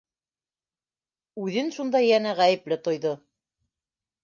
Үҙен шунда йәнә ғәйепле тойҙо.